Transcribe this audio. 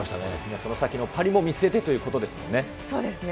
その先のパリも見据えてといそうですね。